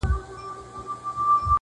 په مجلس کي ږغېدی لکه بلبله-